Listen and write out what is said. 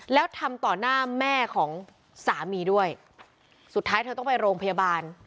แล้วทำต่อหน้าแม่ของสามีด้วยสุดท้ายเธอต้องไปโรงพยาบาล